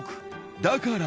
だから。